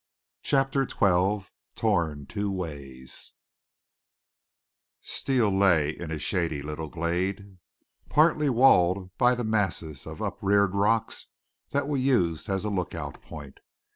Chapter 12 TORN TWO WAYS Steele lay in a shady little glade, partly walled by the masses of upreared rocks that we used as a lookout point.